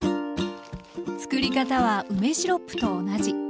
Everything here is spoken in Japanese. つくり方は梅シロップと同じ。